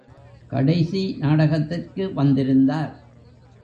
கடைசி நாடகத்திற்கு வந்திருந்தார்.